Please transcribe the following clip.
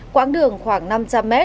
quãng đường khoảng năm trăm linh m